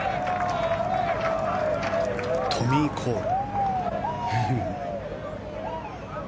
トミーコール。